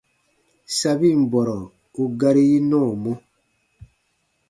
Sabin bɔrɔ u gari yi nɔɔmɔ.